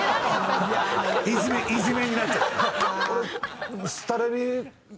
いじめになっちゃった。